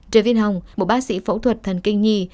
david hong một bác sĩ phẫu thuật thần kinh nhi